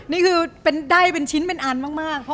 นี่คือได้เป็นชิ้นเป็นอันมาก